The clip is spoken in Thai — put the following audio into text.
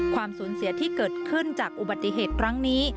ความสูญเสียที่เกิดขึ้นจากอุบัติเหตุครั้งนี้